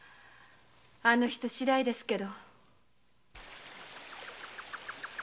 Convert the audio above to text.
あの人次第ですけど。